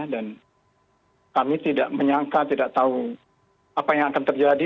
dan kami tidak menyangka tidak tahu apa yang akan terjadi